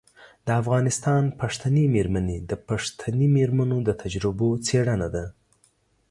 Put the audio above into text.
د افغانستان پښتنې میرمنې د پښتنې میرمنو د تجربو څیړنه ده.